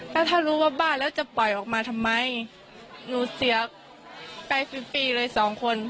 แล้วถ้ารู้ว่าบ้าแล้วจะปล่อยออกมาทำไมหนูเสียไปสิบปีเลยสองคน